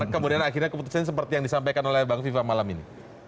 kemudian akhirnya keputusan seperti yang disampaikan oleh bang viva malam ini